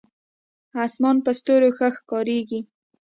اسمان په ستورو ښه ښکارېږي.